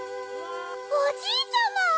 おじいちゃま！